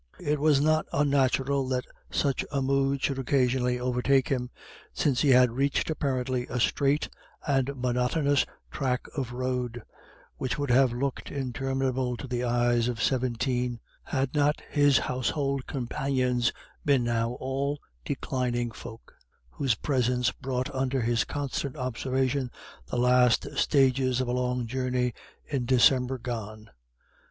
It was not unnatural that such a mood should occasionally overtake him, since he had reached apparently a straight and monotonous tract of road, which would have looked interminable to the eyes of seventeen had not his household companions been now all declining folk, whose presence brought under his constant observation the last stages of "a long journey in December gone."